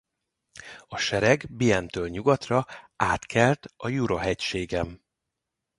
A sereg Bienne-től nyugatra átkelt a Jura-hegységen.